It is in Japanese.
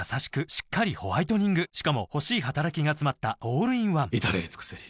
しっかりホワイトニングしかも欲しい働きがつまったオールインワン至れり尽せり